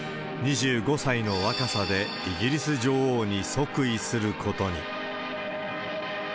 ２５歳の若さでイギリス女王に即位することに。